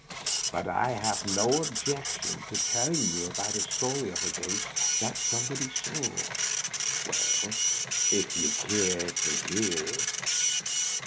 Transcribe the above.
Bat I have no objection to tell yon about a ghost that somebody saw, if you care to hear."